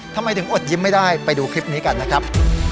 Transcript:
ทำไมถึงอดยิ้มไม่ได้ไปดูคลิปนี้กันนะครับ